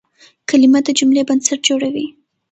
کلیمه د جملې بنسټ جوړوي.